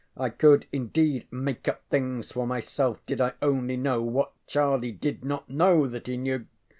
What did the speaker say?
I could indeed make up things for myself did I only know what Charlie did not know that he knew.